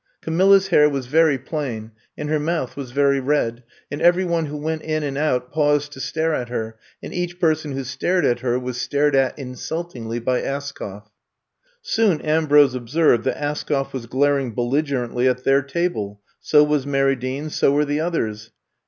Ca milla 's hair was very plain, and her mouth was very red, and every one who went in and out paused to stare at her, and each person who stared at her was stared at insultingly by Askoff. Soon Ambrose observed that Askoff was glaring belligerently at their table, so was Mary Dean, so were the others.